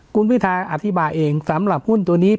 คุณพิทาอธิบายเองสำหรับหุ้นตัวนี้